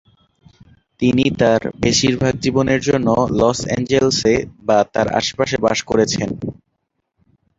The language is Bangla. তিনি তার বেশিরভাগ জীবনের জন্য লস অ্যাঞ্জেলেসে বা তার আশপাশে বাস করেছেন।